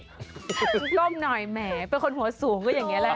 ก้มหน่อยแหมเป็นคนหัวสูงก็อย่างนี้แหละ